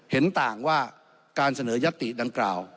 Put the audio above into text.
เห็นต่างว่าการเสนอยัตติดังกล่าว